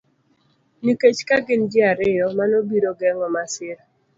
Nikech ka gin ji ariyo, mano biro geng'o masir